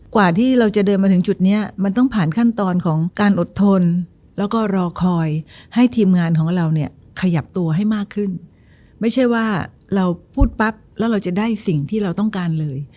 กว่าที่เราจะเดินมาถึงจุดเนี้ยมันต้องผ่านขั้นตอนของการอดทนแล้วก็รอคอยให้ทีมงานของเราเนี่ยขยับตัวให้มากขึ้นไม่ใช่ว่าเราพูดปั๊บแล้วเราจะได้สิ่งที่เราต้องการเลย